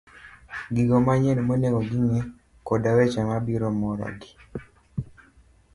gigo manyien monego ging'e, koda weche mabiro morogi.